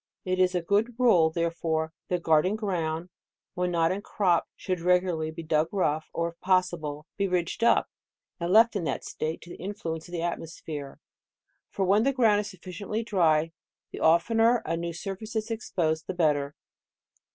It is a good rule, therefore, that garden ground, when not in crop, should re gularly be dug rough, or if possible, be ridged up, and left in that state to the influence of £00 DECEMBER* Hie atmosphere ; for when the ground is suf ficiently dry, the oftener a new surface is ex posed, the better.